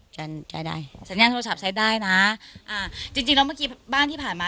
ฉันใช้ได้สัญญาณโทรศัพท์ใช้ได้นะอ่าจริงจริงแล้วเมื่อกี้บ้านที่ผ่านมา